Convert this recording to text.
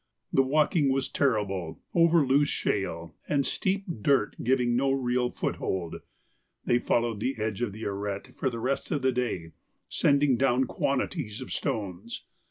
The walking was terrible, over loose shale and steep dirt giving no real foothold. They followed the edge of the arête for the rest of the day, sending down quantities of stones.